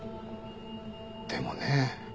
でもね